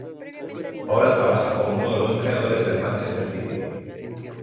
Ahora trabaja como uno de los ojeadores del Manchester City.